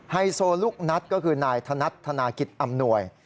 ไฮโซลูกนัดก็คือนายธนัดธนากิจอำนวย